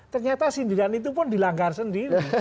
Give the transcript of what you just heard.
ternyata sindiran itu pun dilanggar sendiri